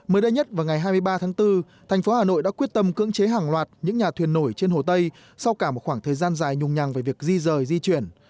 mới đây nhất vào ngày hai mươi ba tháng bốn thành phố hà nội đã quyết tâm cưỡng chế hàng loạt những nhà thuyền nổi trên hồ tây sau cả một khoảng thời gian dài nhùng nhàng về việc di rời di chuyển